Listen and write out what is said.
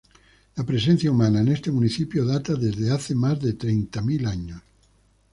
La presencia humana en este municipio data desde hace más de treinta mil años.